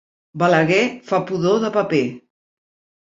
Balaguer fa pudor de paper.